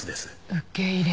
受け入れた。